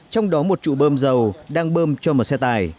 trong đó một trụ bơm dầu đang bơm cho một xe tải